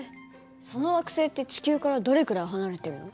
その惑星って地球からどれくらい離れてるの？